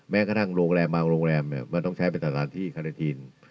แม้กระทั่งโรงแรมบางโรงแรมมันต้องใช้เป็นสถานที่คาเนทีน